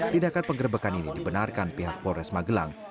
tindakan penggerbekan ini dibenarkan pihak polres magelang